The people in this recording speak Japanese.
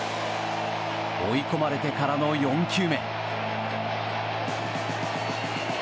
追い込まれてからの４球目。